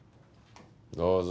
どうぞ。